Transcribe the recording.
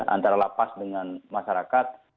antara lapas dengan masyarakat